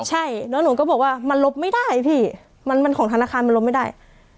ใช่แล้วหนูก็บอกว่ามันลบไม่ได้พี่มันของธนาคารมันลบไม่ได้